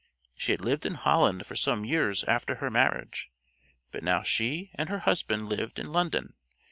She had lived in Holland for some years after her marriage, but now she and her husband lived in London.